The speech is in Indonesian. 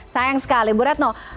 sayang sekali bu ratno